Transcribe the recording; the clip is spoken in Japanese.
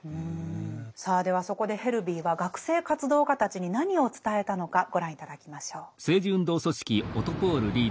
さあではそこでヘルヴィーは学生活動家たちに何を伝えたのかご覧頂きましょう。